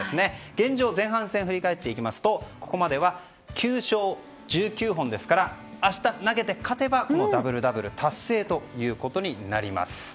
現状、前半戦振り返っていきますとここまでは９勝１９本ですから明日投げて勝てばダブルダブル達成となります。